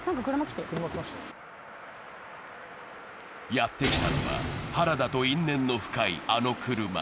やってきたのは原田と因縁の深い、あの車。